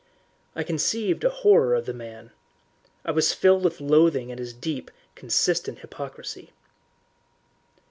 I conceived a horror of the man. I was filled with loathing at his deep, consistent hypocrisy.